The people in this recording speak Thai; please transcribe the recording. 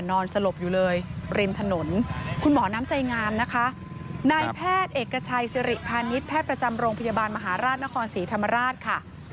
นอนสลบอยู่เลยริมถนนคุณหมอน้ำใจงามนะคะนายแพทย์เอกชัยสิริพาณิชย์แพทย์ประจำโรงพยาบาลมหาราชนครศรีธรรมราชค่ะ